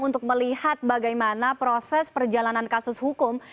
untuk melihat bagaimana proses perjalanan kasus hukum